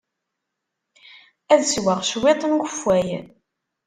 Ad sweɣ cwiṭ n ukeffay.